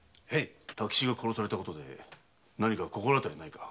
多吉が殺されたことで何か心当たりはないか？